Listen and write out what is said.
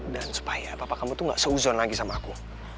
dan supaya papa kamu tuh gak seuzon lagi sama aku